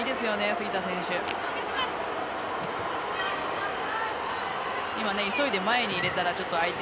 杉田選手。